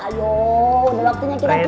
aduh udah waktunya kita pulang